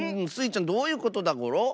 ちゃんどういうことだゴロ？